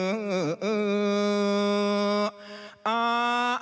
คุณยามวีรสตรีสิงห์เมืองไทย